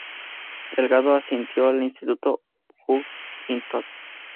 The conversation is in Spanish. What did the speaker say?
Delgado asistió al instituto "Huntington St.